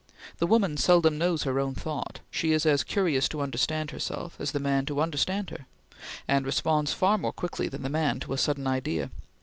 The woman seldom knows her own thought; she is as curious to understand herself as the man to understand her, and responds far more quickly than the man to a sudden idea.